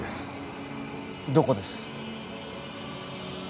どこです？